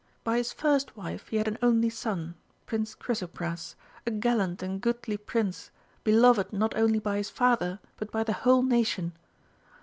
By his first wife he had an only son, Prince Chrysopras, a gallant and goodly prince, beloved not only by his father, but by the whole nation.